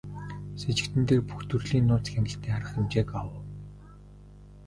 Сэжигтэн дээр бүх төрлийн нууц хяналтын арга хэмжээг авав.